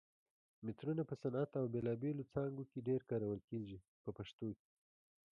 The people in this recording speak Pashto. مترونه په صنعت او بېلابېلو څانګو کې ډېر کارول کېږي په پښتو کې.